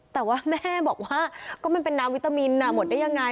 แต่ว่าแม่บอกว่าก็มันเป็นน้ำวิตามินหมดได้ยังไง